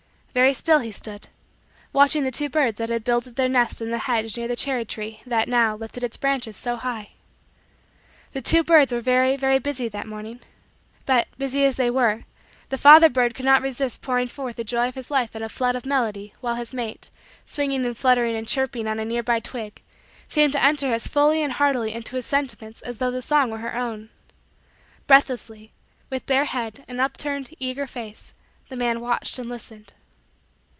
Very still, he stood, watching the two birds that had builded their nest in the hedge near the cherry tree that, now, lifted its branches so high. The two birds were very, very, busy that morning; but, busy as they were, the father bird could not resist pouring forth the joy of his life in a flood of melody while his mate, swinging and fluttering and chirping on a nearby twig, seemed to enter as fully and heartily into his sentiments as though the song were her own. Breathlessly, with bare head and upturned, eager, face, the man watched and listened.